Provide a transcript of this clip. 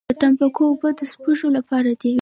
د تنباکو اوبه د سپږو لپاره دي؟